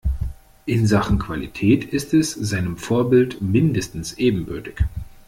In Sachen Qualität ist es seinem Vorbild mindestens ebenbürtig.